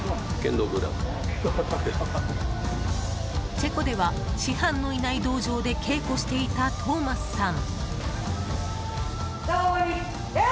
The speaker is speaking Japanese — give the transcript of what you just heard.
チェコでは、師範のいない道場で稽古していたトーマスさん。